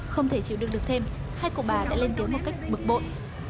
không thể chịu đựng được thêm hai cô bà đã lên tiếng một cách bực bội